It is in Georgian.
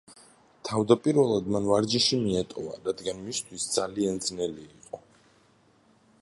თავდაპირველად მან ვარჯიში მიატოვა, რადგან მისთვის ძალიან ძნელი იყო.